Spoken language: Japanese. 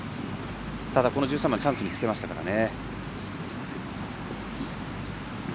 ただ、この１３番チャンスにつけましたからね。